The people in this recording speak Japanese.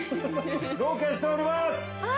ロケしております！